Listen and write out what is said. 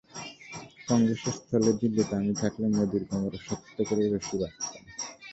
কংগ্রেসের স্থলে দিল্লিতে আমি থাকলে, মোদির কোমরে শক্ত করে রশি বাঁধতাম।